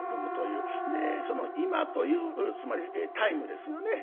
で「今」というつまりタイムですよね。